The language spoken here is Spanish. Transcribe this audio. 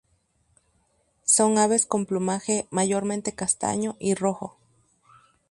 Son aves con plumaje mayormente castaño y rojo.